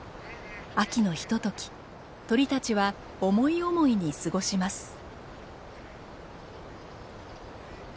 秋のひととき鳥たちは思い思いに過ごします。